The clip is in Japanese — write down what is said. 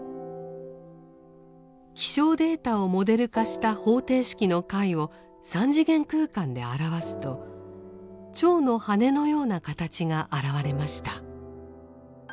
気象データをモデル化した方程式の解を３次元空間で表すと蝶の羽のような形が現れました。